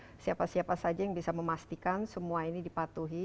apa yang perlu dilakukan siapa siapa saja yang bisa memastikan semua ini dipatuhi